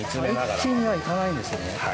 一気にはいかないんですね。